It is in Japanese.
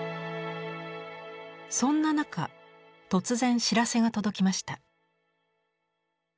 そんな中突然知らせが届きました。